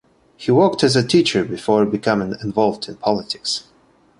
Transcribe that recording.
He worked as a teacher before becoming involved in politics.